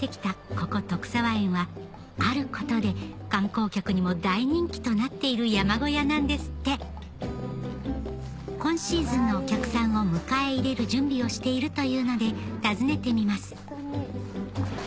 ここ徳澤園はあることで観光客にも大人気となっている山小屋なんですって今シーズンのお客さんを迎え入れる準備をしているというので訪ねてみます